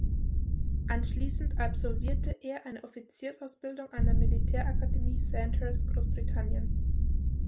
Anschliessend absolvierte er eine Offiziersausbildung an der Militärakademie Sandhurst, Grossbritannien.